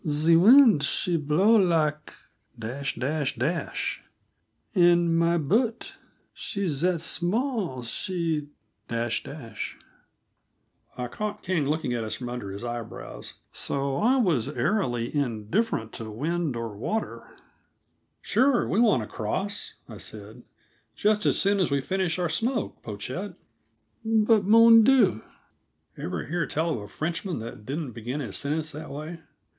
"The weend she blow lak , and my boat, she zat small, she ." I caught King looking at us from under his eyebrows, so I was airily indifferent to wind or water. "Sure, we want to cross," I said. "Just as soon as we finish our smoke, Pochette." "But, mon Dieu!" (Ever hear tell of a Frenchman that didn't begin his sentences that way?